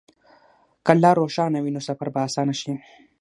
که لار روښانه وي، نو سفر به اسانه شي.